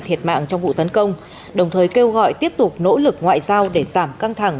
thiệt mạng trong vụ tấn công đồng thời kêu gọi tiếp tục nỗ lực ngoại giao để giảm căng thẳng